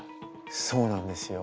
そうなんですよ。